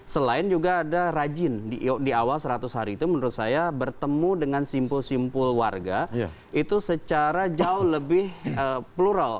selain juga ada rajin di awal seratus hari itu menurut saya bertemu dengan simpul simpul warga itu secara jauh lebih plural